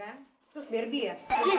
terus brb ya